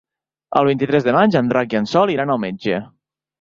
El vint-i-tres de maig en Drac i en Sol iran al metge.